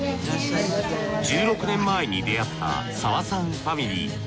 １６年前に出会った澤さんファミリー。